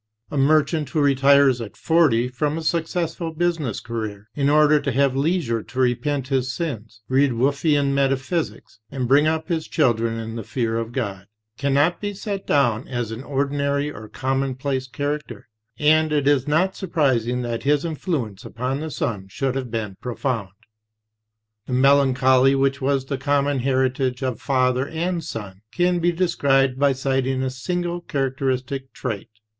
A merchant who retires at forty from a successful business career in order to have leisure to repent his sins, read Wolffian metaphysics, and bring up his children in the fear of God, cannot be set down as an ordinary or commonplace character; and it is not surprising that his influence upon the son should have been profound. The melancholy which was the common heritage of father and son can be described by citing a single characteristic trait.